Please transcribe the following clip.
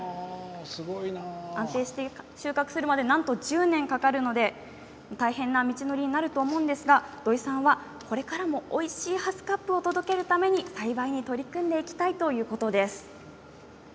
安定して収穫するまでなんと１０年かかるので大変な道のりになると思うんですが土居さんは、これからもおいしいハスカップを届けるために栽培に取り組んでいきたいということです。